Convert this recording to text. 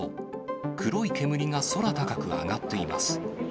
黒い煙が空高く上がっています。